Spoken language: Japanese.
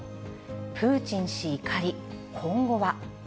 プーチン氏怒り、今後は。